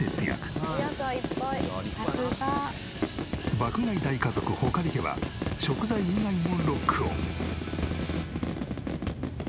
爆買い大家族穂苅家は食材以外もロックオン。